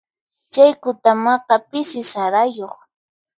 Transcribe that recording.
Chay kutamaqa pisi sarayuq.